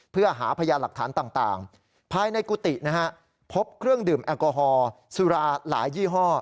เพื่อหาพยานหลักฐานต่างภายในกุฏินะฮะพบเครื่องดื่มแอลกอฮอลสุราหลายยี่ห้อ